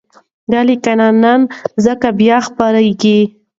دا لیکنه نن ځکه بیا خپرېږي،